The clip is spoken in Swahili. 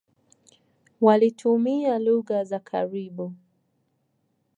Walitumia lugha za karibu.